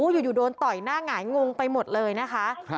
อยู่โดนต่อยหน้าหงายงงไปหมดเลยนะคะ